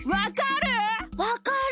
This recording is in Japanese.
わかる？